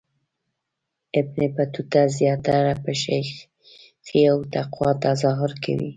ابن بطوطه زیاتره په شیخی او تقوا تظاهر کوي.